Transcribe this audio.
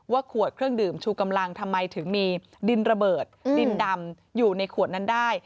ขวดเครื่องดื่มชูกำลังทำไมถึงมีดินระเบิดดินดำอยู่ในขวดนั้นได้